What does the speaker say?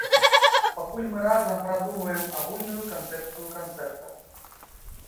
Пакуль мы разам прадумваем агульную канцэпцыю канцэрта.